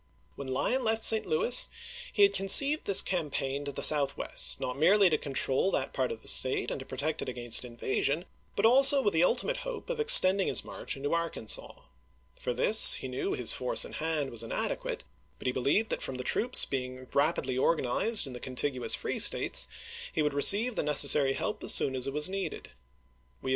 When Lyon left St. Louis he had conceived this cam paign to the southwest, not merely to control that part of the State and to protect it against in vasion, but also with the ultimate hope of extend ing his march into Arkansas. For this he knew his force in hand was inadequate ; but he believed that from the troops being rapidly organized in the contiguous free States he would receive the nec TownVn^d, essary help as soon as it was needed. We have i86i!